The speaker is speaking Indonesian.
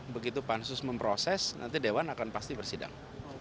begitu pansus memproses nanti dewan akan pasti bersidang